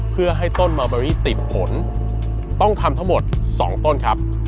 เพื่อให้ต้นมาเบอรี่ติดผลต้องทำทั้งหมด๒ต้นครับ